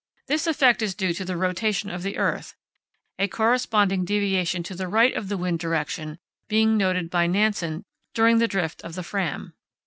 This effect is due to the rotation of the earth, a corresponding deviation to the right of the wind direction being noted by Nansen during the drift of the Fram.